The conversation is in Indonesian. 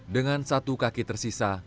dengan satu kaki tersisa